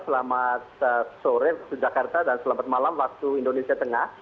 selamat sore waktu jakarta dan selamat malam waktu indonesia tengah